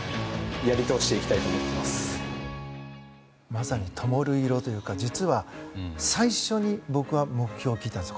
まさに灯色というか実は、最初に僕は目標を聞いたんです